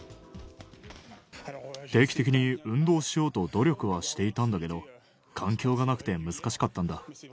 定期的に運動しようと努力はしていたんだけど、環境がなくて難しかったんだ。